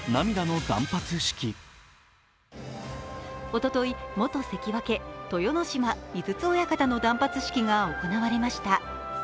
おととい元関脇・豊ノ島、井筒親方の断髪式が行われました。